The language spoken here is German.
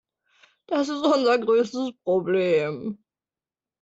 Das ist unser größtes Problem.